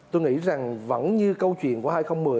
tôi nghĩ rằng vẫn như câu chuyện của